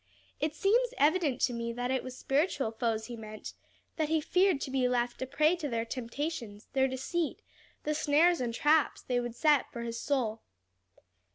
"It seems evident to me that it was spiritual foes he meant; that he feared to be left a prey to their temptations, their deceit, the snares and traps they would set for his soul."